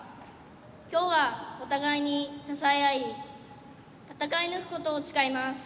今日はおたがいに支え合いたたかいぬくことをちかいます。